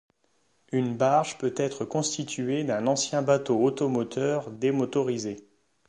Une barge peut être constituée d'un ancien bateau automoteur démotorisé.